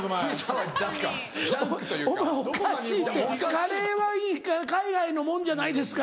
「カレーは海外のもんじゃないですか」